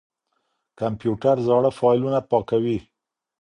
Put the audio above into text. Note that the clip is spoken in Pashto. کمپيوټر زاړه فايلونه پاکوي.